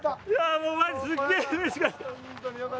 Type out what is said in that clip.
もう、マジすっげえうれしかった。